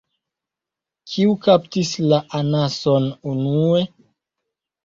Kiu kaptis la anason unue?